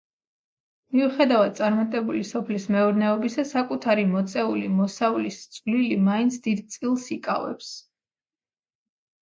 მიუხედავად წარმატებული სოფლის მეურნეობისა საკუთარი მოწეული მოსავლის წვლილი მაინც დიდ წილს იკავებს.